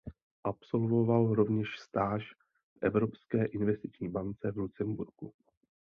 Absolvoval rovněž stáž v Evropské investiční bance v Lucemburku.